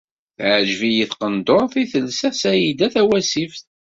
Teɛǧeb-iyi tqendurt i telsa Saɛida Tawasift.